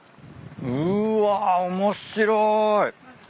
うわ面白い。